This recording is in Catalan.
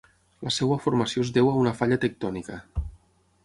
La seva formació es deu a una falla tectònica.